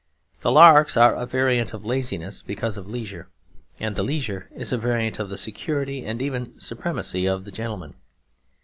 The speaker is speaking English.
The larks are a variant of laziness because of leisure; and the leisure is a variant of the security and even supremacy of the gentleman.